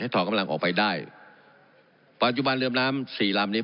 ถอดกำลังออกไปได้ปัจจุบันเรือมน้ำสี่ลำนี้